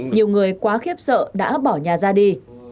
nhiều người quá khiếp sợ đã bỏ nhà ra đi